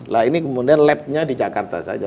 nah ini kemudian lab nya di jakarta saja